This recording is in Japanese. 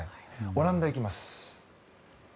オランダ行きます。